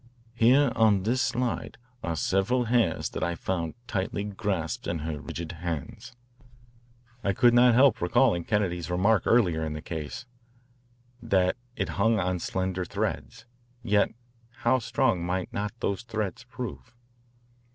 Here on this slide are several hairs that I found tightly grasped in her rigid hands." I could not help recalling Kennedy's remark earlier in the case that=20it hung on slender threads. Yet how strong might not those threads prove!